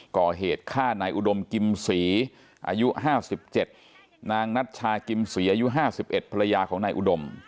ก่อเหตุฆ่านายอุดมกิมศรีอายุ๕๗นางนัชชากิมศรีอายุ๕๑ภรรยาของนายอุดม